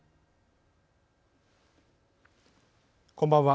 こんばんは。